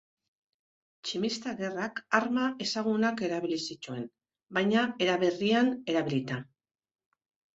Tximista Gerrak arma ezagunak erabili zituen, baina era berrian erabilita.